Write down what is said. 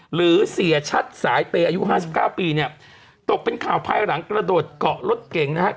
หรือเสียชัดสายเปย์อายุห้าสิบเก้าปีเนี่ยตกเป็นข่าวภายหลังกระโดดเกาะรถเก่งนะฮะ